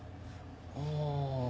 ああ